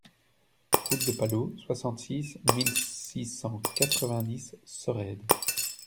Route de Palau, soixante-six mille six cent quatre-vingt-dix Sorède